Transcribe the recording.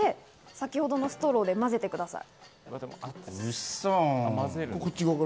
先ほどのストローでまぜてください。